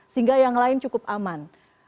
sehingga yang lain cukup aman